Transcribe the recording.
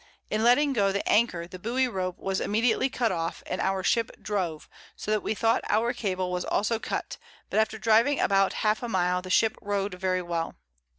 In letting go the Anchor the Buoy Rope was immediately cut off, and our Ship drove; so that we thought our Cable was also cut, but after driving about half a Mile the Ship rode very well.